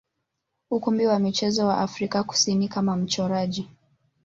ukumbi wa michezo wa Afrika Kusini kama mchoraji.